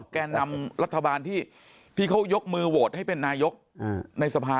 แก่นำรัฐบาลที่เขายกมือโหวตให้เป็นนายกในสภา